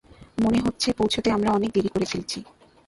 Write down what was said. মনে হচ্ছে পৌঁছাতে আমরা অনেক দেরি করে ফেলেছি।